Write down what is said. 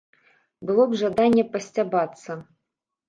Было б жаданне пасцябацца.